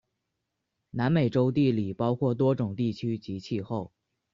南美洲地理包括多种地区及气候。